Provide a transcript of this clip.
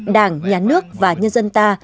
đảng nhà nước và nhân dân ta